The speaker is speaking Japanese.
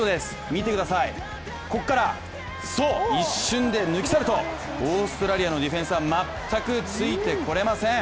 見てください、ここからそう、一瞬で抜き去るとオーストラリアのディフェンスは全くついてこれません。